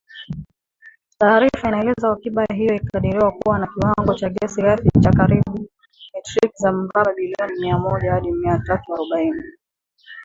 Taarifa inaeleza, akiba hiyo inakadiriwa kuwa na kiwango cha gesi ghafi cha karibu metriki za mraba bilioni mia moja hadi mia tatu arobaini